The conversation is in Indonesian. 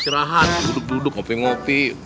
istirahat duduk duduk ngopi ngopi